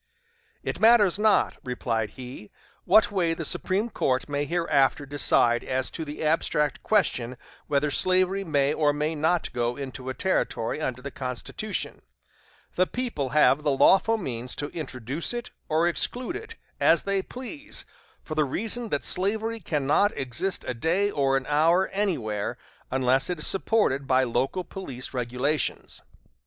"It matters not," replied he, "what way the Supreme Court may hereafter decide as to the abstract question whether slavery may or may not go into a Territory under the Constitution, the people have the lawful means to introduce it or exclude it, as they please, for the reason that slavery cannot exist a day or an hour anywhere unless it is supported by local police regulations.